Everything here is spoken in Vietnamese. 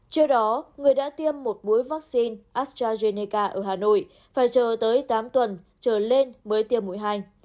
trước đó người đã tiêm một mũi vaccine astrazeneca ở hà nội phải chờ tới tám tuần trở lên mới tiêm mũi hai